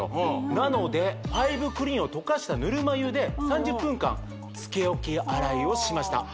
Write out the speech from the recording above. なのでファイブクリーンを溶かしたぬるま湯で３０分間つけ置き洗いをしました